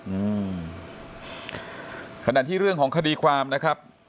อืมขณะที่เรื่องของคดีความนะครับ